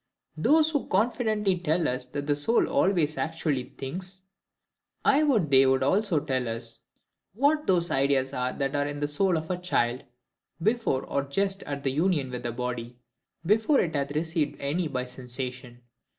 Those who so confidently tell us that the soul always actually thinks, I would they would also tell us, what those ideas are that are in the soul of a child, before or just at the union with the body, before it hath received any by sensation.